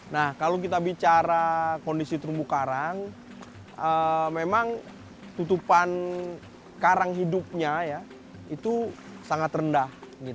nah kalau kita bicara kondisi terumbu karang memang tutupan karang hidupnya itu sangat rendah